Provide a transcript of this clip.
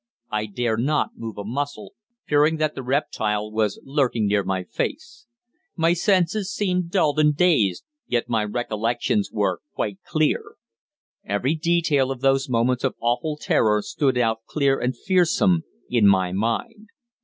I dare not move a muscle, fearing that the reptile was lurking near my face. My senses seemed dulled and dazed, yet my recollections were quite clear. Every detail of those moments of awful terror stood out clear and fearsome in my mind.